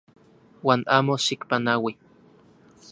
Uan amo xikpanaui.